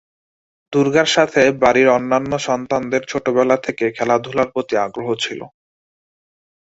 দুর্গার সাথে বাড়ির অন্যান্য সন্তানদের ছোটবেলা থেকে খেলাধূলার প্রতি আগ্রহ ছিল।